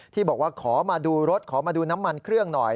ที่บอกว่าขอมาดูรถขอมาดูน้ำมันเครื่องหน่อย